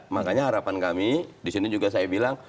makanya harapan kami disini juga saya bilang